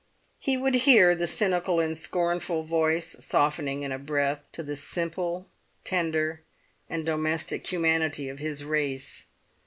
He would hear the cynical and scornful voice softening in a breath to the simple, tender, and domestic humanity of his race.